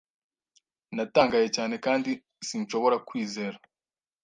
Natangaye cyane kandi sinshobora kwizera